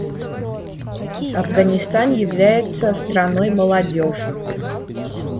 Афганистан является страной молодежи.